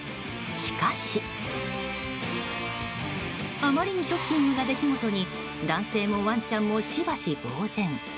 しかし、あまりにショッキングな出来事に男性もワンちゃんもしばし、ぼうぜん。